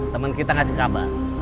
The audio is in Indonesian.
temen kita ngasih kabar